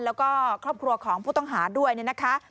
แล้วก็ครอบครัวของผู้ต้องหาด้วยเนี่ยนะคะ